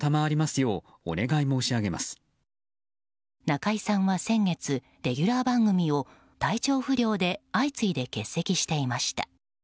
中居さんは先月、レギュラー番組を体調不良で相次いで欠席していました。